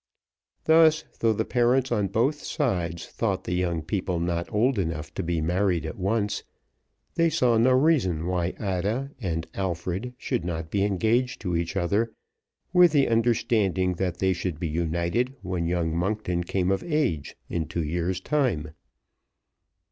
Thus, though the parents on both sides thought the young people not old enough to be married at once, they saw no reason why Ada and Alfred should not be engaged to each other, with the understanding that they should be united when young Monkton came of age, in two years' time.